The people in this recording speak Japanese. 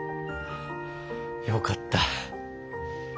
よかった。